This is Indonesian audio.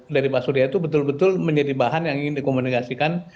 dari pak surya itu betul betul menjadi bahan yang ingin dikomunikasikan